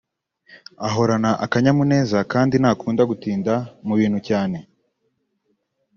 ahorana akanyamuneza kandi ntakunda gutinda mu bintu cyane